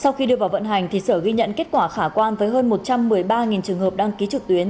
sau khi đưa vào vận hành sở ghi nhận kết quả khả quan với hơn một trăm một mươi ba trường hợp đăng ký trực tuyến